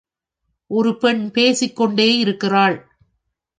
ஒரு பெண் பேசிக்கொண்டே இருக்கிறாள்.